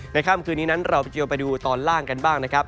ค่ำคืนนี้นั้นเราไปเจอไปดูตอนล่างกันบ้างนะครับ